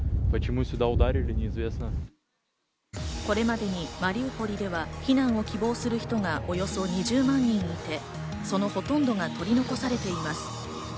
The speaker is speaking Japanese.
これまでにマリウポリでは避難を希望する人がおよそ２０万人いて、そのほとんどが取り残されています。